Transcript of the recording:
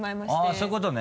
そういうことね。